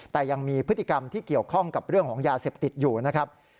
แต่ยังมีพฤติกรรมที่เกี่ยวข้องกับเรื่องของยาเสพติดอยู่นะครับ